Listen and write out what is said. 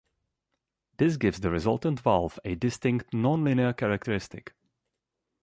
This gives the resultant valve a distinct non-linear characteristic.